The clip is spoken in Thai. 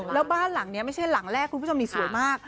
แล้วบ้านหลังนี้ไม่ใช่หลังแรกคุณผู้ชมนี่สวยมาก